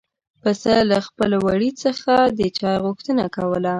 پسه له خپل وړي څخه د چای غوښتنه کوله.